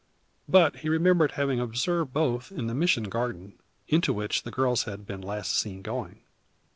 But he remembered having observed both in the Mission garden, into which the girls had been last seen going.